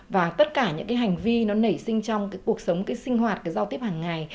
và tất cả những cái hành vi nó nảy sinh trong cái cuộc sống cái sinh hoạt cái giao tiếp hàng ngày